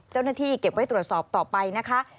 เจ้าหน้าที่เก็บไว้ตรวจสอบต่อไปนะคะ